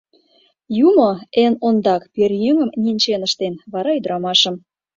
Юмо эн ондак пӧръеҥым ненчен ыштен, вара — ӱдырамашым.